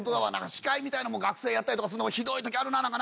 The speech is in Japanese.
司会みたいなのも学生やったりとかするのもひどい時あるななんかな。